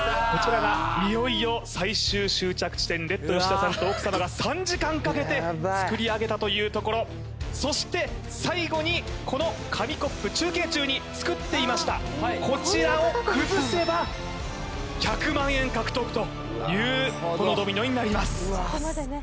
こちらがいよいよ最終終着地点レッド吉田さんと奥様が３時間かけて作り上げたというところそして最後にこの紙コップ中継中に作っていましたこちらを崩せば１００万円獲得というこのドミノになります